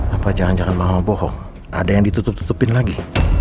apa jangan jangan mama bohong ada yang ditutup tutupin lagi